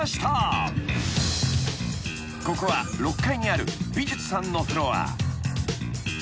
［ここは６階にある美術さんのフロア］